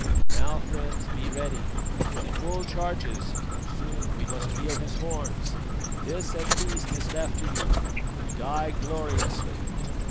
Now, friends, be ready, for the bull charges and soon we must feel his horns. This at least is left to you, to die gloriously."